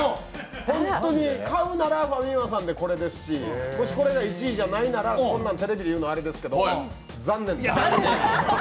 本当に買うならファミマさんでこれですし、もしこれが１位じゃないならこんなんテレビで言うのもあれですけど残念です。